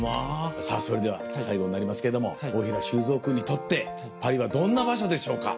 さぁそれでは最後になりますけれども大平修蔵君にとってパリはどんな場所でしょうか？